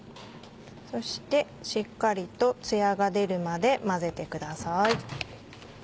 そしてしっかりと艶が出るまで混ぜてください。